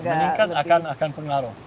iya meningkat akan akan pengaruh